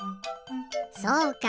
そうか。